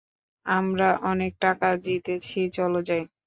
আমরা অনেক টাকা জিতেছি, চলো যাই।